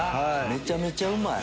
めちゃめちゃうまい。